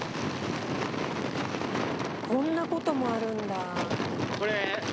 こんな事もあるんだ。